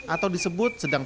atau disebut sedangkan